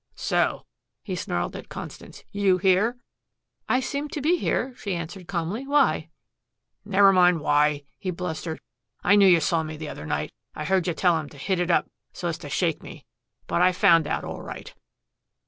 "So," he snarled at Constance. "You here?" "I seem to be here," she answered calmly. "Why?" "Never mind why," he blustered. "I knew you saw me the other night. I heard you tell 'em to hit it up so as to shake me. But I found out all right."